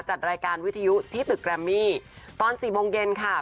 จัดรายการวิทยุที่ตึกแรมมี่ตอนสี่โมงเย็นค่ะ